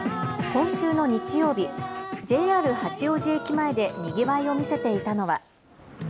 今週の日曜日、ＪＲ八王子駅前でにぎわいを見せていたのは。